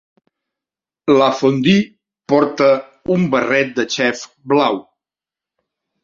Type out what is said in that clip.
La fondue porta un barret de xef blau.